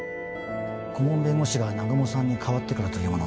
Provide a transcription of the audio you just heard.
顧問弁護士が南雲さんにかわってからというもの